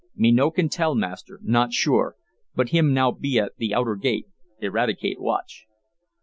"Me no can tell, Master. Not sure. But him now be at the outer gate. Eradicate watch."